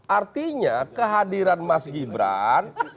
artinya kehadiran mas gibran